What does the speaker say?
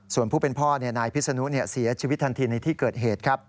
ส่วนผู้เป็นพ่อนายพิศนุเสียชีวิตทันทีในที่เกิดเหตุครับ